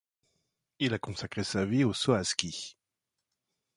Il a consacré sa vie au saut à ski.